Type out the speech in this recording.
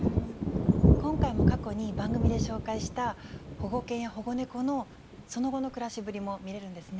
今回も過去に番組で紹介した保護犬や保護猫のその後の暮らしぶりも見れるんですね。